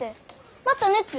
また熱？